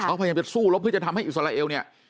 เขาพยายามจะสู้แล้วเพื่อจะทำให้อิสราเอลเนี่ย